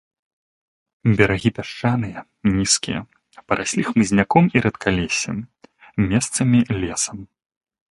Берагі пясчаныя, нізкія, параслі хмызняком і рэдкалессем, месцамі лесам.